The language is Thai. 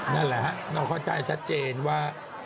นั่นแหละครับน้องเข้าใจชัดเจนว่า